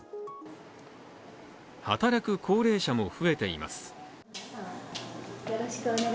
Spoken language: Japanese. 働く高齢者も増えています。